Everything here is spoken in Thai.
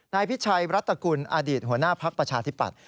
นายพิชัยรัฐกุลอดีตหัวหน้าพักประชาธิปัตย